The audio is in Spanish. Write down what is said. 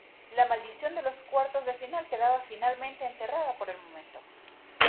La maldición de los cuartos de final quedaba finalmente enterrada por el momento.